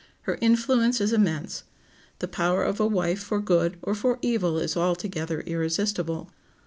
Her influence is immense. The power of a wife for good or for evil is altogether irresistible.